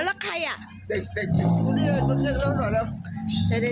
เด็กคนเบี้ยละหน่อย